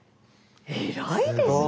偉いですね！